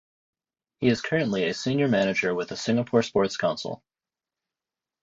He is currently a senior manager with the Singapore Sports Council.